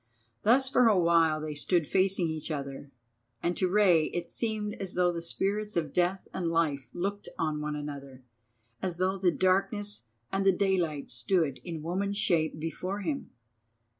Thus for awhile they stood each facing each, and to Rei it seemed as though the spirits of Death and Life looked one on another, as though the darkness and the daylight stood in woman's shape before him.